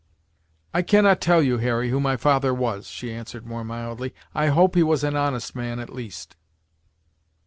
"I cannot tell you, Harry, who my father was," she answered more mildly; "I hope he was an honest man, at least."